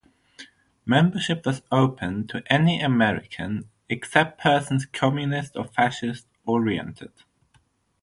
Membership was open to any American "except persons Communist or Fascist oriented".